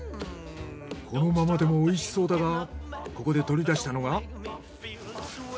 このままでもおいしそうだがここで取り出したのが。